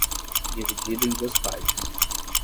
Dividido em duas partes